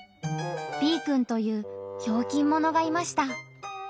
Ｂくんというひょうきんものがいました。